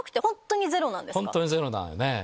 本当にゼロなんだよね。